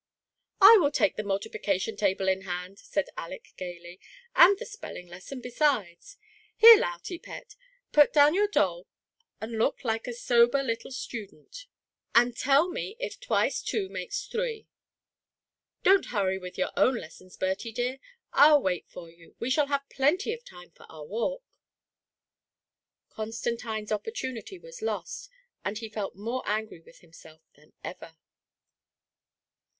"I will take the multiplication table in hand," said Aleck, gaily, "and the spelling lesson besidea Here, Lautie pet, put down your doU, and look like a sober little student, and tell me if twice two makes three. THE PRISONER IN DARKNESS. 145 Don't hurry with your own lessons, Bertie dear; Til wait for you — we shall have plenty of time for our walk." Constantine's opportunity was lost, and he felt more angry with himself than ever.